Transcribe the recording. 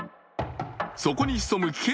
そこに潜む危険